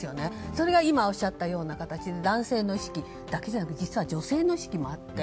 それが今おっしゃったような形で男性の意識だけじゃなくて実は女性の意識もあって。